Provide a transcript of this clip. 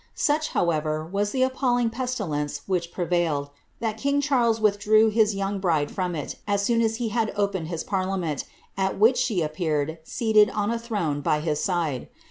^ Sucli, however, was the appalling pestilence which prevailed, that king Charles withdrew his young bride from it as soon a> he had opened his parliament, at wliich stie appeared, seated on a throne by his side.'